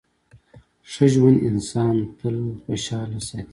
ښه ژوند انسان تل خوشحاله ساتي.